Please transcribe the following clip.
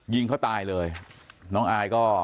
ยิงเขาตายเลยน้องอายก็